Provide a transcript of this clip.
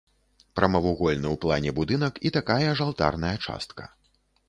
Прамавугольны ў плане будынак і такая ж алтарная частка.